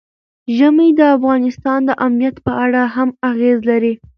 ژمی د افغانستان د امنیت په اړه هم اغېز لري.